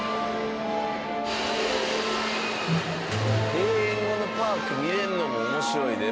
閉園後のパーク見れるのも面白いでもう。